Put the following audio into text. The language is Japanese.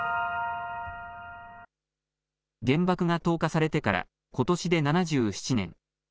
原爆が投下されてからことしで７７年。